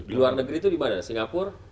di luar negeri itu dimana singapur